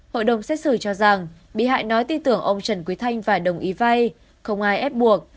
hội đồng xét xử cho rằng bị hại nói tin tưởng ông trần quý thanh phải đồng ý vay không ai ép buộc